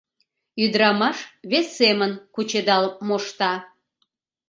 — Ӱдырамаш вес семын кучедал мошта...